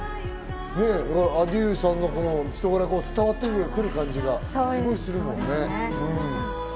ａｄｉｅｕさんの人柄が伝わってくる感じがすごくするもんね。